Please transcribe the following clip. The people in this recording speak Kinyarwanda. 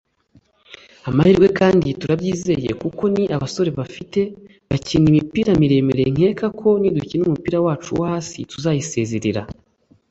Amahirwe kandi turabyizeye kuko ni abasore bafite bakina imipira miremire nkeka ko nidukina umupira wacu wo hasi tuzayisezerera